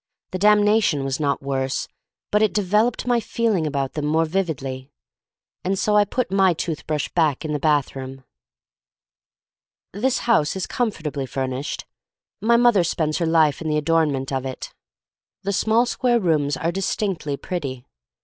The damnation was not worse, but it developed my feeling about them more vividly. And so I put my tooth brush back in the bathroom. This house is comfortably furnished. My mother spends her life in the adornment of it. The small square rooms are distinctly pretty.